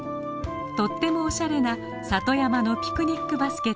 とってもおしゃれな里山のピクニックバスケットです。